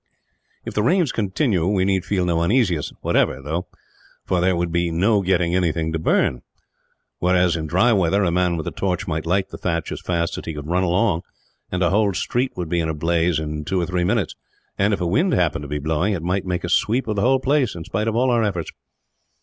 "If the rains continue we need feel no uneasiness, whatever, for there would be no getting anything to burn; whereas in dry weather, a man with a torch might light the thatch as fast as he could run along, and a whole street would be in a blaze in two or three minutes and, if a wind happened to be blowing, it might make a sweep of the whole place, in spite of all our efforts."